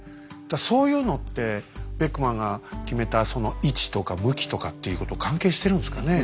そういうのってベックマンが決めたその位置とか向きとかっていうこと関係してるんですかね。